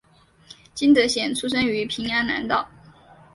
金德贤出生于平安南道。